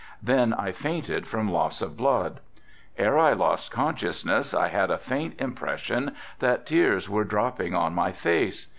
Then I fainted from loss of blood. Ere I lost consciousness I had a faint impression that tears were dropping on my face.